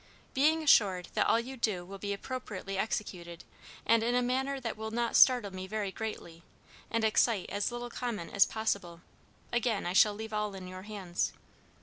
"Being assured that all you do will be appropriately executed, and in a manner that will not startle me very greatly, and excite as little comment as possible, again I shall leave all in your hands.